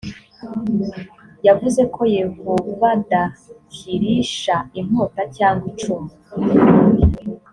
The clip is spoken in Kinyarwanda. yavuze ko yehovaadakirisha inkota cyangwa icumu